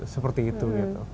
seperti itu gitu